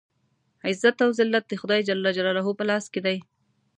عزت او ذلت د خدای جل جلاله په لاس کې دی.